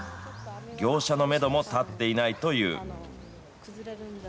業者のメドも立っていないという。